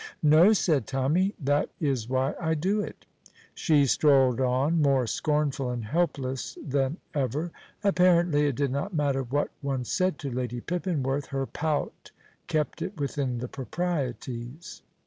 "No," said Tommy. "That is why I do it." She strolled on, more scornful and helpless than ever. Apparently it did not matter what one said to Lady Pippinworth; her pout kept it within the proprieties.